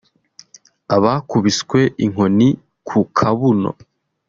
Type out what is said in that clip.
abakubiswe inkoni ku kabuno